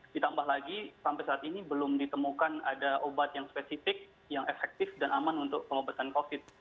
ditambah lagi sampai saat ini belum ditemukan ada obat yang spesifik yang efektif dan aman untuk pengobatan covid